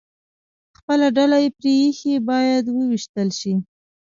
خپله ډله یې پرې ایښې، باید ووېشتل شي.